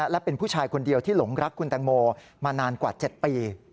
และเป็นผู้ชายคนเดียวที่หลงรักคุณแตงโมมานานกว่า๗ปี